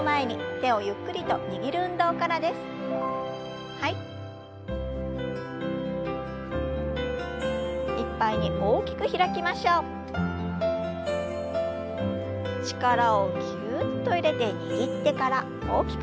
力をぎゅっと入れて握ってから大きく開きます。